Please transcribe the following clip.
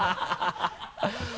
ハハハ